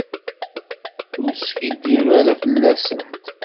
Ur skiddib ara fell-asent.